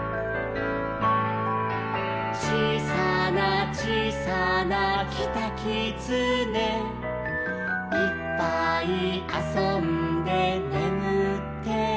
「ちいさなちいさなキタキツネ」「いっぱいあそんでねむってる」